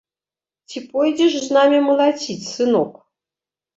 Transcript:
Ці пойдзеш з намі малаціць, сынок?